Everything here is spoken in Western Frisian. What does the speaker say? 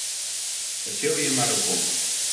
It sil jin mar oerkomme.